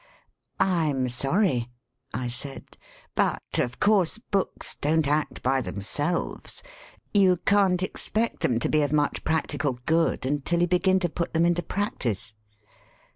"I'm sorry," I said. "But, of course, books don't act by tbemselves. You can't expect them to be of much practical good until you begin to put them into practice."